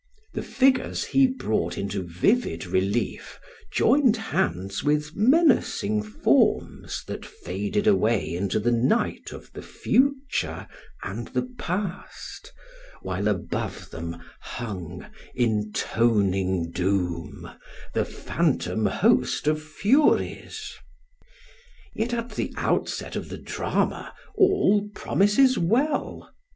The figures he brought into vivid relief joined hands with menacing forms that faded away into the night of the future and the past; while above them hung, intoning doom, the phantom host of Furies. Yet at the outset of the drama all promises well.